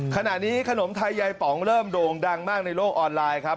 ขณะนี้ขนมไทยยายป๋องเริ่มโด่งดังมากในโลกออนไลน์ครับ